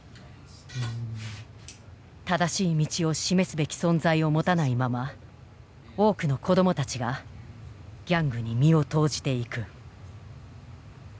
正しい道を示すべき存在を持たないまま多くの子どもたちがギャングに身を投じていく。